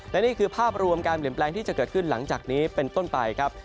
และนี่คือภาพรวมการเปลี่ยนแปลงที่จะเกิดขึ้นหลังจากนี้เป็นต้นไปครับ